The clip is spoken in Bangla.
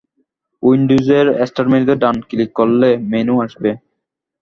উইন্ডোজের স্টার্ট মেনুতে ডান ক্লিক করলে মেনু আসবে।